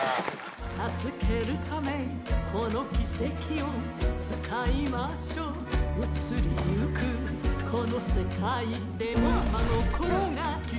「助けるためこの奇跡を使いましょう」「移りゆくこの世界」「でもまごころが奇跡の炎を」